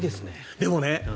でもね